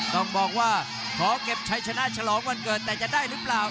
ต้องบอกว่าขอเก็บชัยชนะฉลองวันเกิดแต่จะได้หรือเปล่า